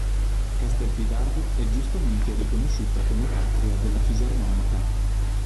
Castelfidardo è giustamente riconosciuta come patria della fisarmonica.